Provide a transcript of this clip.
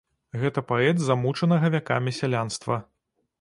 Гэта паэт замучанага вякамі сялянства.